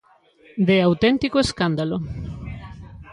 De auténtico escándalo.